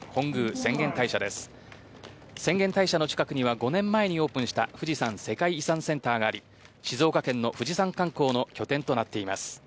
浅間大社の近くには５年間にオープンした富士山世界遺産センターがあり静岡県の富士山観光の拠点となっています。